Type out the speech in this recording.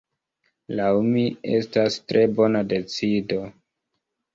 Laŭ mi estas tre bona decido.